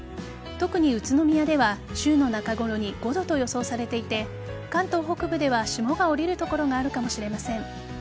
特に宇都宮では週の中ごろに５度と予想されていて関東北部では霜が降りる所があるかもしれません。